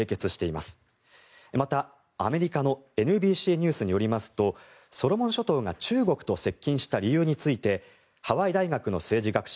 またアメリカのＮＢＣニュースによりますとソロモン諸島が中国と接近した理由についてハワイ大学の政治学者